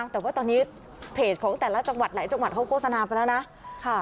แต่ว่าตอนนี้เพจของแต่ละจังหวัดหลายจังหวัดเขาโฆษณาไปแล้วนะ